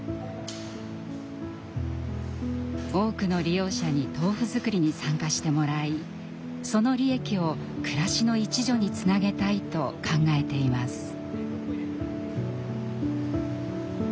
多くの利用者に豆腐づくりに参加してもらいその利益を暮らしの一助につなげたいと考えています。